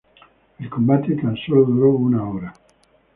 El combate tan solo duró una hora.